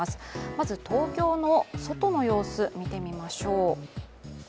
まず東京の外の様子見てみましょう。